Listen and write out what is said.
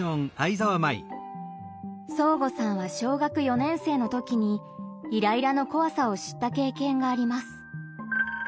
そーごさんは小学４年生の時にイライラの怖さを知った経験があります。